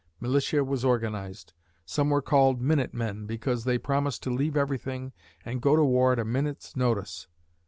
Militia was organized; some were called "Minute Men" because they promised to leave everything and go to war at a minute's notice.